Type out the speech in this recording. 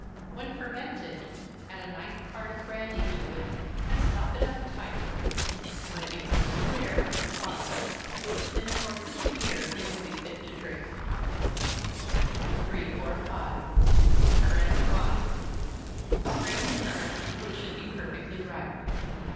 When fermented, add a ninth part of brandy to it, and stop it up tight when it becomes clear, bottle it. In the course of a year it will be fit to drink. 345. Currant Wine. Strain the currants, which should be perfectly ripe.